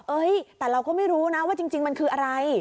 แต่เราก็ไม่รู้นะว่าจริงมันคืออะไร